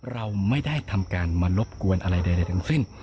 เราไม่ได้ทำการมารบกวนอะไรใดทั้งสิ้น